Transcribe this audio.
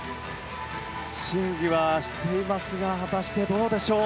審議はしていますが果たしてどうでしょう。